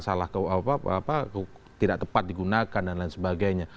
salah tidak tepat digunakan dan lain sebagainya